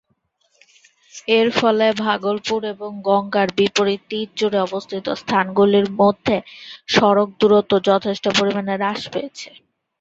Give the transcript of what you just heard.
এর ফলে ভাগলপুর এবং গঙ্গার বিপরীত তীর জুড়ে অবস্থিত স্থানগুলি মধ্যে সড়ক দূরত্ব যথেষ্ট পরিমাণে হ্রাস পেয়েছে।